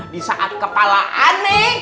di saat kepala ane